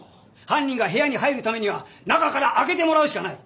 犯人が部屋に入るためには中から開けてもらうしかない。